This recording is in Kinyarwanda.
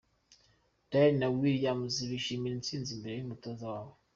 Dyer and Williams bishimira intsinzi imbere y’umutoza wabo.